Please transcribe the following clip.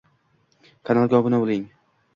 Kanalga obuna bo'ling: